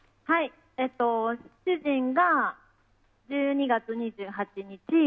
主人が１２月２８日。